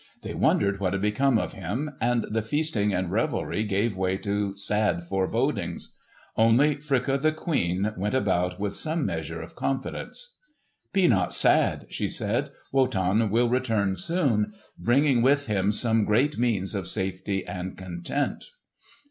They wondered what had become of him, and the feasting and revelry gave way to sad forebodings. Only Fricka, the queen, went about with some measure of confidence. "Be not sad," she said. "Wotan will return soon, bringing with him some great means of safety and content."